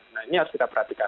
nah ini harus kita perhatikan